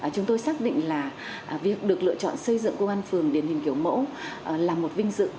chúng tôi xác định là việc được lựa chọn xây dựng công an phường điển hình kiểu mẫu là một vinh dự